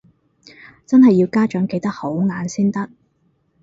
真係要家長企得好硬先得